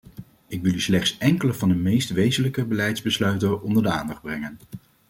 Ik wil u slechts enkele van de meest wezenlijke beleidsbesluiten onder de aandacht brengen.